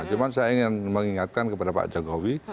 cuma saya ingin mengingatkan kepada pak jokowi